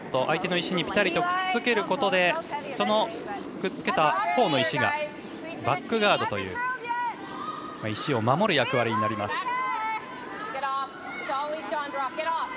相手の石にぴたりとつけることでくっつけたほうの石がバックガードという石を守る役割になります。